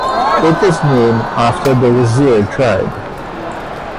It is named after the Wazir tribe.